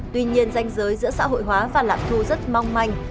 tuy nhiên danh giới giữa xã hội hóa và lạm thu rất mong manh